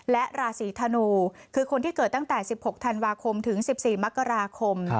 และราศีธนูคือคนที่เกิดตั้งแต่๑๖ธันวาคมถึง๑๔มกราคม